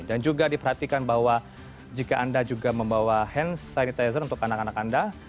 dan juga diperhatikan bahwa jika anda juga membawa hand sanitizer untuk anak anak anda